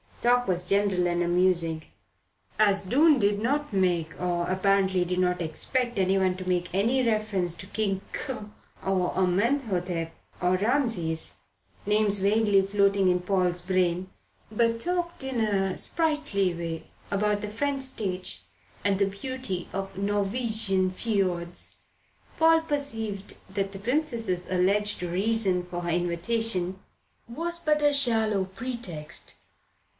Talk was general and amusing. As Doon did not make, and apparently did not expect anyone to make any reference to King Qa or Amenhotep or Rameses names vaguely floating in Paul's brain but talked in a sprightly way about the French stage and the beauty of Norwegian fiords, Paul perceived that the Princess's alleged reason for her invitation was but a shallow pretext.